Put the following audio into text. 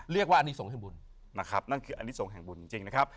เรียกว่าอันนี้สงฆ์แห่งบุญนะครับนั่นคืออันนี้ส่งแห่งบุญจริงนะครับ